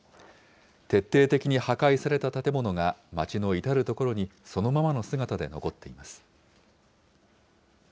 徹底的に破壊された建物が、街の至る所にそのままの姿で残っています。